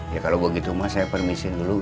ya kalau begitu mas saya permisiin dulu ustadz umi